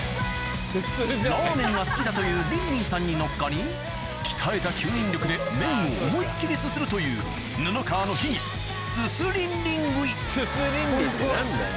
ラーメンが好きだというリンリンさんに乗っかり鍛えた吸引力で麺を思いっ切りすするという布川の秘技すすリンリンって何だよ。